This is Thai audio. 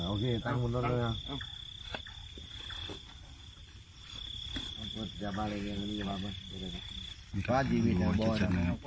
โอเคตั้งหมดแล้วนะครับ